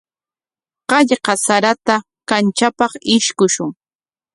Qallwa sarata kamchapaq ishkushun.